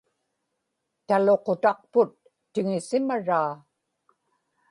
taluqutaqput tiŋisimaraa